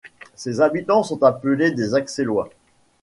Ses habitants sont appelés des Axelois.